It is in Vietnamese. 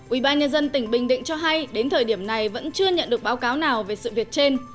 ubnd tỉnh bình định cho hay đến thời điểm này vẫn chưa nhận được báo cáo nào về sự việc trên